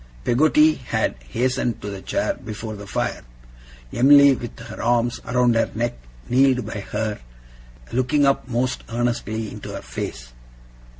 Peggotty had hastened to the chair before the fire. Em'ly, with her arms around her neck, kneeled by her, looking up most earnestly into her face.